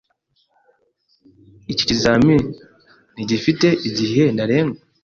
Iki kizamini ntigifite igihe ntarengwa.